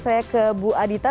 saya ke bu adita